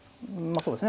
そうですね。